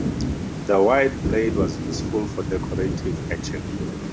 The wide blade was useful for decorative etching.